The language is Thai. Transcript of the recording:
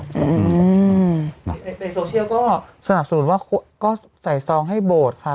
ในโซเชียลก็สนับสนุนว่าก็ใส่ซองให้โบสถ์ค่ะ